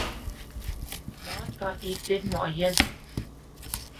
موت کا ایک دن معین ہے